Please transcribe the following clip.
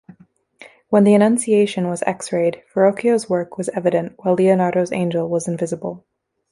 When the "Annunciation" was x-rayed, Verrocchio's work was evident while Leonardo's angel was invisible.